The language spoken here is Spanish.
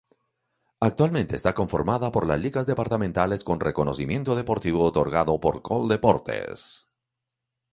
Actualmente está conformada por las ligas departamentales con reconocimiento deportivo otorgado por Coldeportes.